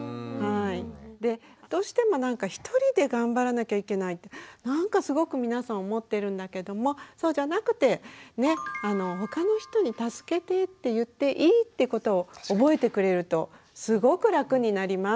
でどうしてもなんかひとりで頑張らなきゃいけないってなんかすごく皆さん思ってるんだけどもそうじゃなくて他の人に「助けて」って言っていいってことを覚えてくれるとすごく楽になります。